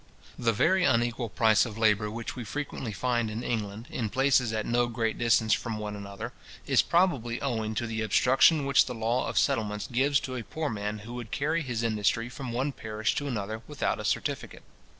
The very unequal price of labour which we frequently find in England, in places at no great distance from one another, is probably owing to the obstruction which the law of settlements gives to a poor man who would carry his industry from one parish to another without a certificate.